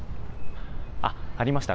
あっ、ありました。